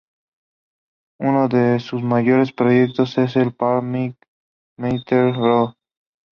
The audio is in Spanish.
Uno de sus mayores proyectos es el "Pat Metheny Group".